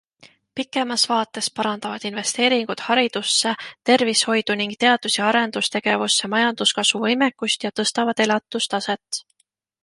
Pikemas vaates parandavad investeeringud haridusse, tervishoidu ning teadus- ja arendustegevusse majanduskasvu võimekust ja tõstavad elatustaset.